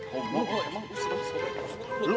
homo emang usah